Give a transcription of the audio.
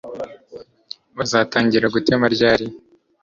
Bazatangira gutema ryari